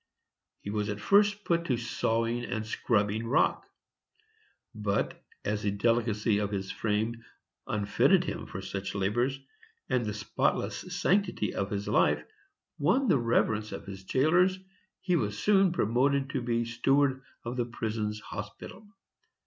He was at first put to sawing and scrubbing rock; but, as the delicacy of his frame unfitted him for such labors, and the spotless sanctity of his life won the reverence of his jailers, he was soon promoted to be steward of the prison hospital.